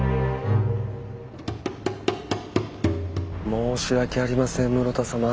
申し訳ありません室田様。